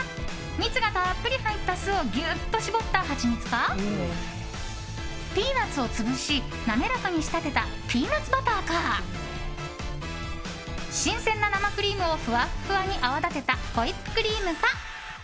蜜がたっぷり入った巣をぎゅっと搾ったハチミツかピーナッツを潰し滑らかに仕立てたピーナッツバターか新鮮な生クリームをふわっふわに泡立てたホイップクリームか。